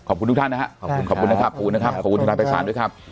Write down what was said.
ขอบคุณทุกท่านนะครับขอบคุณขอบคุณนะครับขอบคุณนะครับขอบคุณทนายภัยศาลด้วยครับ